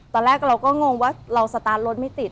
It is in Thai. ตอนแรกเราก็งงว่าเราสตาร์ทรถไม่ติด